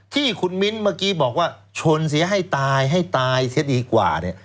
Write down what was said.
ที่คุณมิ้นเมื่อกี้บอกว่าชนเสียให้ตายให้ตายเสียดีกว่าเนี่ย